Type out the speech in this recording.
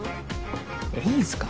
いいんすか？